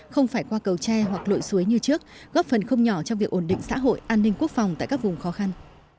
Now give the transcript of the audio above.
không phải qua cầu tre hoặc lội suối như trước góp phần không nhỏ trong việc ổn định xã hội an ninh quốc phòng tại các vùng khó khăn